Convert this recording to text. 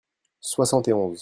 soixante et onze.